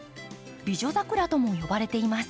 美女桜とも呼ばれています。